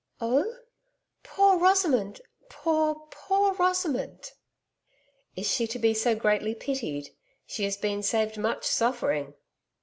'Oh? poor Rosamond! Poor, poor Rosamond!' 'Is she to be so greatly pitied! She has been saved much suffering!'